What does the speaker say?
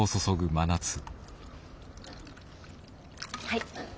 はい。